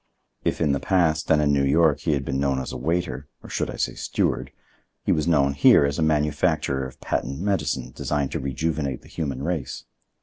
If in the past and in New York he had been known as a waiter, or should I say steward, he was known here as a manufacturer of patent medicine designed to rejuvenate the human race.